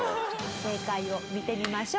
正解を見てみましょう。